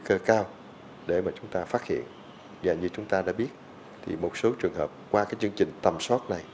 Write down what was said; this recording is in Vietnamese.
cơ cao để mà chúng ta phát hiện và như chúng ta đã biết thì một số trường hợp qua cái chương trình tầm soát này